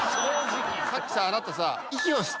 さっきさあなたさ。